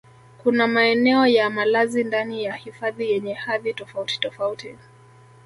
Kuna maeneo ya malazi ndani ya hifadhi yenye hadhi tofautitofauti